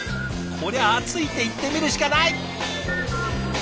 こりゃついていってみるしかない！